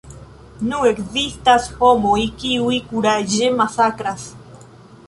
Nun ekzistas homoj, kiuj kuraĝe masakras.